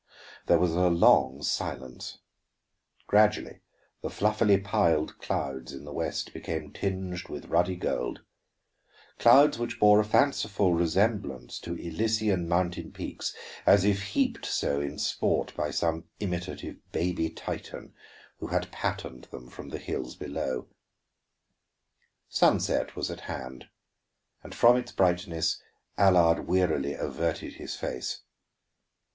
There was a long silence. Gradually the fluffily piled clouds in the west became tinged with ruddy gold, clouds which bore a fanciful resemblance to Elysian mountain peaks, as if heaped so in sport by some imitative baby Titan who had patterned them from the hills below. Sunset was at hand, and from its brightness Allard wearily averted his face.